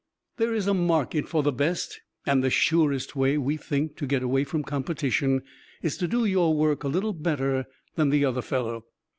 There is a market for the best, and the surest way, we think, to get away from competition is to do your work a little better than the other fellow.